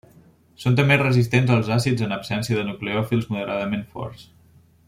Són també resistents als àcids en absència de nucleòfils moderadament forts.